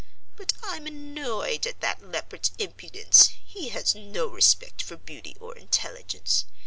But I'm annoyed at that leopard's impudence. He has no respect for beauty or intelligence.